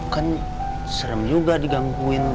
kan serem juga digangguin